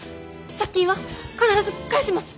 借金は必ず返します！